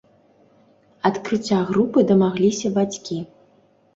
Адкрыцця групы дамагліся бацькі.